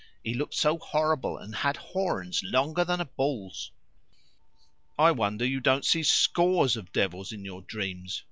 He looked so horrible, and had horns longer than a bull's!" "I wonder you don't see SCORES of devils in your dreams!